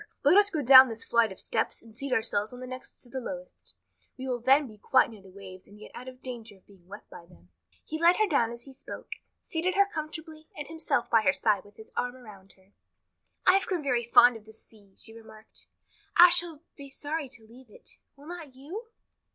Let us go down this flight of steps and seat ourselves on the next to the lowest. We will then be quite near the waves and yet out of danger of being wet by them." He led her down as he spoke, seated her comfortably and himself by her side with his arm around her. "I've grown very fond of the sea," she remarked. "I shall be sorry to leave it. Will not you?"